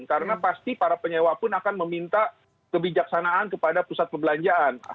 karena pasti para penyewa pun akan meminta kebijaksanaan kepada pusat perbelanjaan